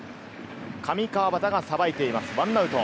上川畑がさばいています、１アウト。